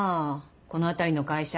この辺りの会社